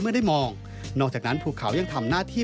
เมื่อได้มองนอกจากนั้นภูเขายังทำหน้าที่